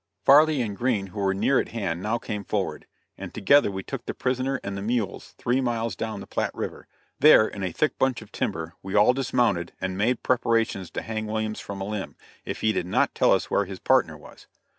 Farley and Green, who were near at hand, now came forward, and together we took the prisoner and the mules three miles down the Platte River; there, in a thick bunch of timber, we all dismounted and made preparations to hang Williams from a limb, if he did not tell us where his partner was.